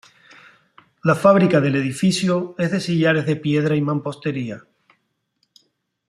La fábrica del edificio es de sillares de piedra y mampostería.